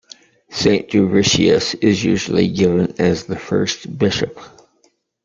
Saint Dubricius is usually given as the first bishop.